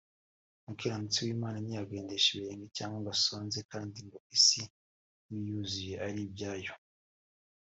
umukiranutsi w’Imana ntiyagendesha ibirenge cyangwa gusonza kandi ngo isi n’ibiyuzuye ari ibyayo